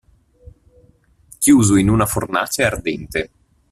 Chiuso in una fornace ardente.